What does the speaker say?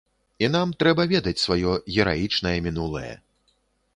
І нам трэба ведаць сваё гераічнае мінулае.